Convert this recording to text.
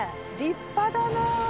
立派だな。